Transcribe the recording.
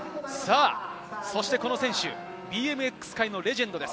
この選手、ＢＭＸ界のレジェンドです。